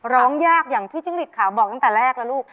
ร้องยากอย่างพี่จิ้งฤทธิ์บอกตั้งแต่แรกละลูก